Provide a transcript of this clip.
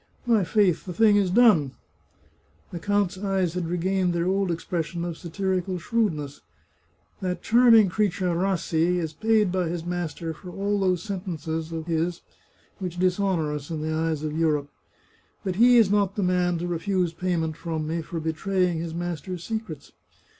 My faith, the thing is done !" The count's eyes had regained their old expression of satirical shrewdness. " That charming creature Rassi is paid by his master for all those sentences of his which dis honour us in the eyes of Europe. But he is not the man to refuse payment from me for betraying his master's secrets.